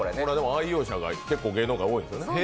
愛用者が結構、芸能界多いんですよね。